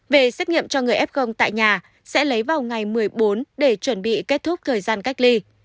về xét nghiệm cho người f tại nhà sẽ lấy vào ngày một mươi bốn để chuẩn bị kết thúc thời gian cách ly